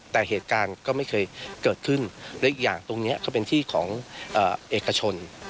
แต่เหตุการณ์ก็ไม่เคยเกิดขึ้นและอีกอย่างตรงนี้ก็เป็นที่ของเอกชน